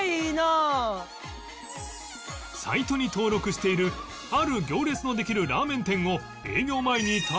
サイトに登録しているある行列のできるラーメン店を